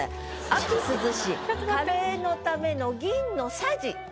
「秋涼しカレーのための銀の匙」。